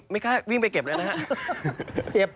ไม่กล้าวิ่งไปเก็บเลยนะครับ